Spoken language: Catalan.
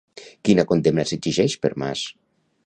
Quina condemna s'exigeix per Mas?